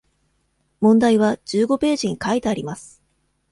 問題は十五ページに書いてあります。